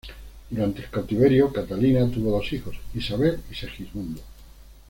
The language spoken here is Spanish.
Durante el cautiverio, Catalina tuvo dos hijos, Isabel y Segismundo.